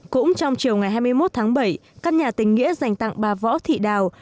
cũng trong chiều ngày hai mươi một tháng bảy các nhà tỉnh nghĩa dành tặng bà võ thị đào